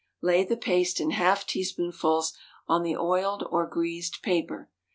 Lay the paste in half teaspoonfuls on the oiled or greased paper.